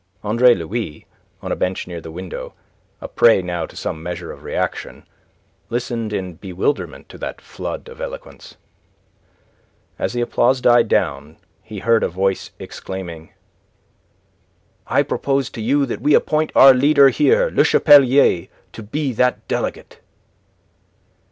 Andre Louis, on a bench near the window, a prey now to some measure of reaction, listened in bewilderment to that flood of eloquence. As the applause died down, he heard a voice exclaiming: "I propose to you that we appoint our leader here, Le Chapelier, to be that delegate."